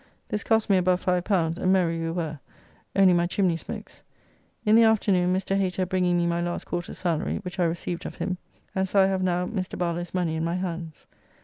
This cost me above L5, and merry we were only my chimney smokes. In the afternoon Mr. Hater bringing me my last quarter's salary, which I received of him, and so I have now Mr. Barlow's money in my hands.